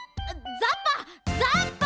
ザッパ！